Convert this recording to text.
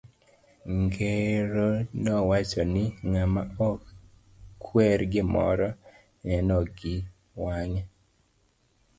Ng'ero no wacho ni, ng'ama ok kwer gimoro, neno gi wange.